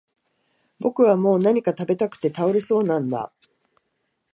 僕はもう何か喰べたくて倒れそうなんだ